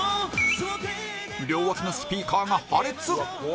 両脇のスピーカーが破裂